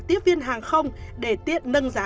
tiếp viên hàng không để tiện nâng giá